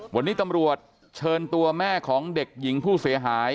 วันนี้ตำรวจเชิญตัวแม่ของเด็กหญิงผู้เสียหาย